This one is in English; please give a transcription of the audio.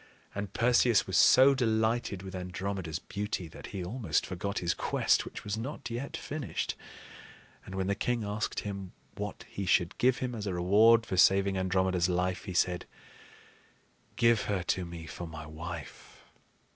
And Perseus was so delighted with Andromeda's beauty that he almost forgot his quest which was not yet finished; and when the king asked him what he should give him as a reward for saving Andromeda's life, he said: "Give her to me for my wife."